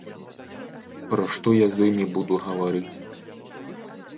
Пра што я з імі буду гаварыць?